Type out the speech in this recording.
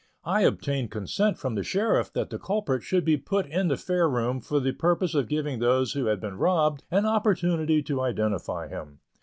I obtained consent from the sheriff that the culprit should be put in the Fair room for the purpose of giving those who had been robbed an opportunity to identify him.